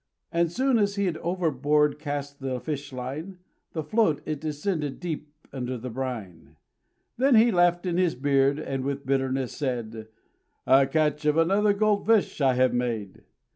And soon as he'd overboard cast the fish line, The float it descended deep under the brine. Then he laughed in his beard, and with bitterness said: "A catch of another gold fish I have made!"